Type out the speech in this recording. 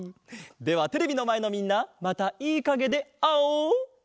ではテレビのまえのみんなまたいいかげであおう！